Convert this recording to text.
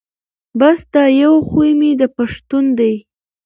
بس دا یو خوی مي د پښتنو دی